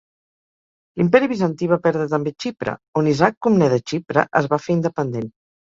L'Imperi Bizantí va perdre també Xipre, on Isaac Comnè de Xipre es va fer independent.